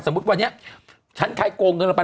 วันนี้ฉันใครโกงเงินเราไป